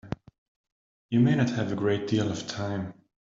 You may not have a great deal of time.